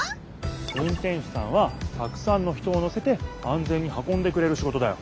運転手さんはたくさんの人をのせてあんぜんにはこんでくれるシゴトだよ。